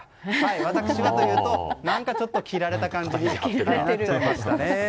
私はというと何かちょっと着られた感じになってしまいました。